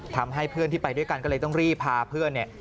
ทำให้เพื่อนที่ไปด้วยกันก็เลยต้องรีบพาเพื่อน